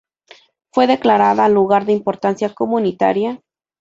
Fue declarada Lugar de Importancia Comunitaria.